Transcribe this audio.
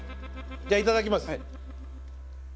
じゃあいただきます。